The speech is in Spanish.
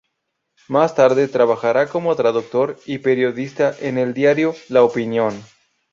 Más tarde trabajará como traductor y periodista en el diario La Opinión.